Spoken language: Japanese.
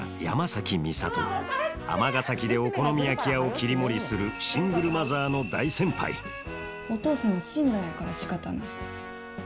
尼崎でお好み焼き屋を切り盛りするシングルマザーの大先輩お父さんは死んだんやからしかたない。